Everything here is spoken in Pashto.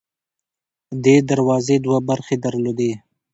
دې دروازې دوه برخې درلودې.